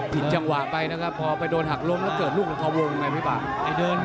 จังหวะไปนะครับพอไปโดนหักล้มแล้วเกิดลูกหลังคาวงไงพี่ปาก